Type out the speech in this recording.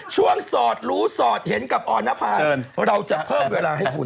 สอดรู้สอดเห็นกับออนภาเชิญเราจะเพิ่มเวลาให้คุณ